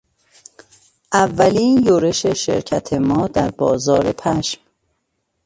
اولین یورش شرکت ما در بازار پشم